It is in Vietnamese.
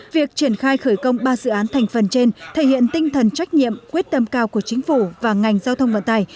việc triển khai khởi công ba dự án thành phần trên thể hiện tinh thần trách nhiệm quyết tâm cao của chính phủ và ngành giao thông vận tài